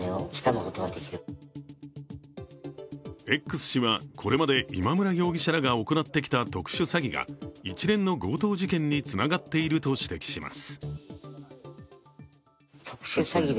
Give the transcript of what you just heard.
Ｘ氏は、これまで今村容疑者らが行ってきた特殊詐欺が一連の強盗事件につながっていると指摘します。